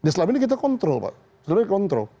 selama ini kita kontrol pak